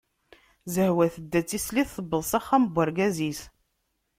Zehwa tedda d tislit, tewweḍ s axxam n urgaz-is.